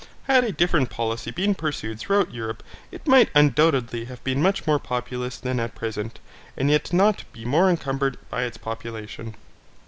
Had a different policy been pursued throughout Europe, it might undoubtedly have been much more populous than at present, and yet not be more incumbered by its population.